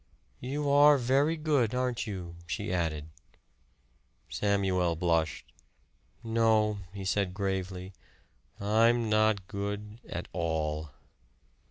"You are very good, aren't you?" she added. Samuel blushed. "No," he said gravely. "I'm not good at all."